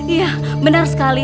iya benar sekali